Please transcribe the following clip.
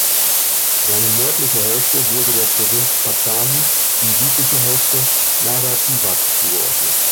Seine nördliche Hälfte wurde der Provinz Pattani, die südliche Hälfte Narathiwat zugeordnet.